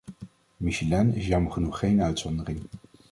Michelin is jammer genoeg geen uitzondering.